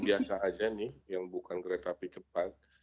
biasa aja nih yang bukan kereta api cepat